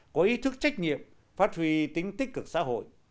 có ý thức trách nhiệm phát huy tính tích cực xã hội